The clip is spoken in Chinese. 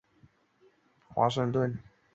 玩家驾驶着汽车在不同的国家行驶。